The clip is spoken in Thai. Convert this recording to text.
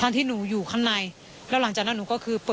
ส่วนรถที่นายสอนชัยขับอยู่ระหว่างการรอให้ตำรวจสอบ